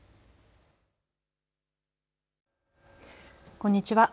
こんにちは。